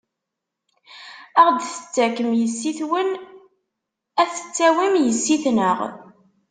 Ad ɣ-d-tettakem yessi-twen, ad tettawin yessi-tneɣ.